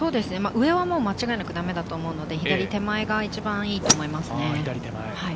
上はもう間違いなくダメだと思うので、左手前が一番いいと思いますね。